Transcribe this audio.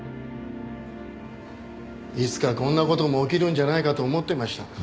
いつかこんな事も起きるんじゃないかと思ってました。